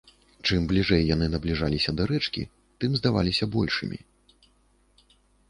Чым бліжэй яны набліжаліся да рэчкі, тым здаваліся большымі.